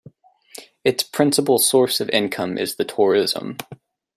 Its principal source of income is the tourism.